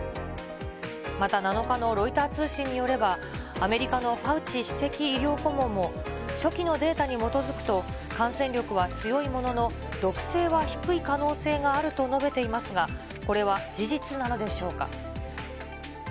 また、７日のロイター通信によればアメリカのファウチ首席医療顧問も、初期のデータに基づくと、感染力は強いものの、毒性は低い可能性があると述べていますが、これは事実なのでしょうか。